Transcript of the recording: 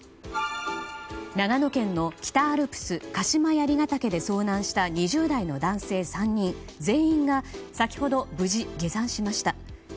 長野県の北アルプス鹿島槍ヶ岳で遭難した２０代の男性３人全員が先ほど、無事下山しました。